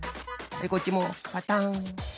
こっちもパタン。